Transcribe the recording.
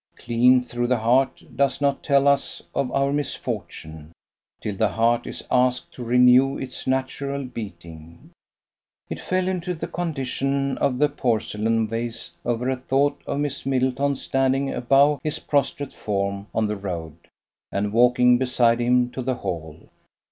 Clean through the heart, does not tell us of our misfortune, till the heart is asked to renew its natural beating. It fell into the condition of the porcelain vase over a thought of Miss Middleton standing above his prostrate form on the road, and walking beside him to the Hall.